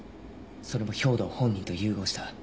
それも兵働本人と融合した。